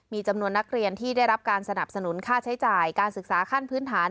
มีจำนวนนักเรียนที่ได้รับการสนับสนุนค่าใช้จ่ายการศึกษาขั้นพื้นฐาน